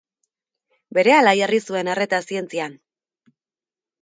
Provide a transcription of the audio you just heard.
Berehala jarri zuen arreta zientzian.